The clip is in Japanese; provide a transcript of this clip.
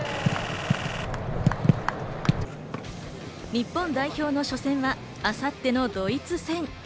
日本代表の初戦は明後日のドイツ戦。